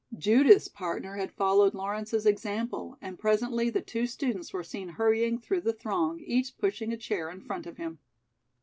Judith's partner had followed Lawrence's example, and presently the two students were seen hurrying through the throng, each pushing a chair in front of him.